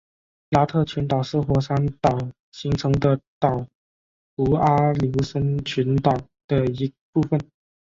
拉特群岛是火山岛形成的岛弧阿留申群岛的一部分。